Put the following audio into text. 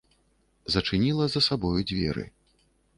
Зачыніла за сабою дзверы.